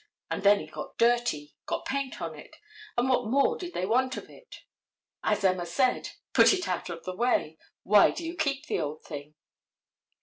And then it got dirty, got paint on it, and what more did they want of it? As Emma said, "Put it out of the way. Why do you keep the old thing?"